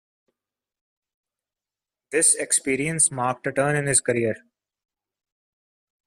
This experience marked a turn in his career.